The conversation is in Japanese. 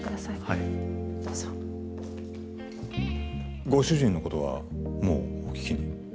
はいどうぞご主人のことはもうお聞きに？